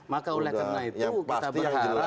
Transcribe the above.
maka oleh karena itu kita berharap